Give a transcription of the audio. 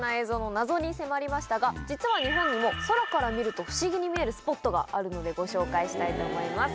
実は日本にも空から見ると不思議に見えるスポットがあるのでご紹介したいと思います。